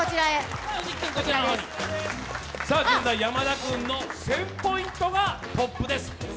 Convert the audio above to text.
現在山田君の１０００ポイントがトップです。